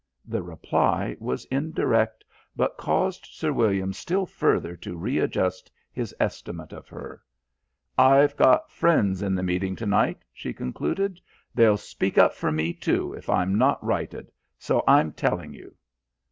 The reply was indirect, but caused Sir William still further to readjust his estimate of her. "I've got friends in the meeting to night," she concluded. "They'll speak up for me, too, if I'm not righted. So I'm telling you."